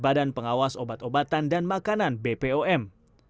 badan pengawas obat obatan dan makanan bpom